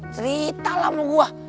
cerita lah sama gue